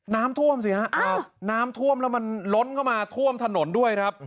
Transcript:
น้ำท่วมสิครับน้ำท่วมแล้วมันล้นเข้ามาท่วมถนนด้วยครับ